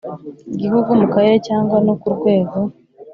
Gihugu mu karere cyangwa no ku rwego